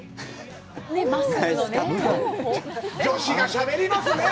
女子がしゃべりますね。